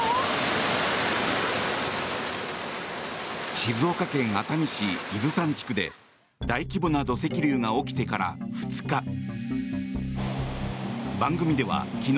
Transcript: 静岡県熱海市伊豆山地区で大規模な土石流が起きてから２日。